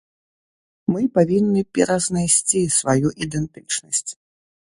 Мы павінны перазнайсці сваю ідэнтычнасць.